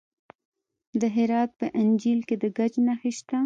د هرات په انجیل کې د ګچ نښې شته.